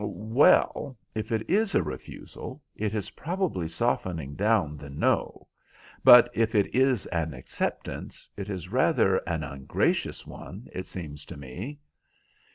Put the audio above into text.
"Well, if it is a refusal, it is probably softening down the No, but if it is an acceptance it is rather an ungracious one, it seems to me."